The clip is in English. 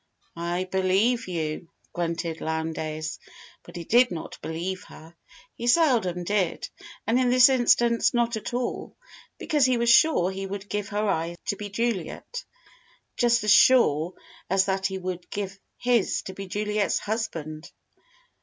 "I believe you!" grunted Lowndes. But he did not believe her. He seldom did; and in this instance not at all, because he was sure she would give her eyes to be Juliet, just as sure as that he would give his to be Juliet's husband.